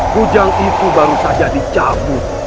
kujang itu baru saja dicabut